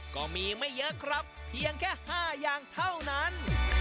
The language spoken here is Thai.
ก็มีไม่เยอะครับเพียงแค่๕อย่างเท่านั้น